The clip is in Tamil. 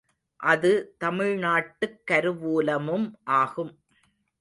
அது தமிழ்நாட்டுக் கருவூலமும் ஆகும்.